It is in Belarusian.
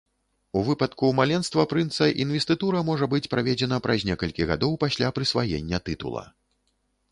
У выпадку маленства прынца інвестытура можа быць праведзена праз некалькі гадоў пасля прысваення тытула.